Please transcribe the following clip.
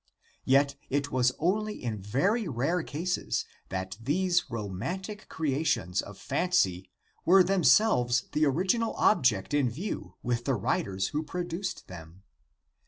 Yet it was only in very rare cases that these romantic creations of fancy were themselves the original object in view with the writers who produced them.